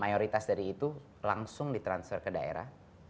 yang perintah dari itu langsung di transfer ke daerah